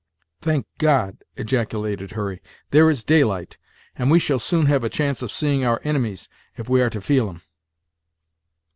"Thank God!" ejaculated Hurry, "there is daylight, and we shall soon have a chance of seeing our inimies, if we are to feel 'em."